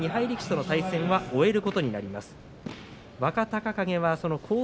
力士との対戦は終わることになります。